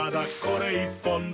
これ１本で」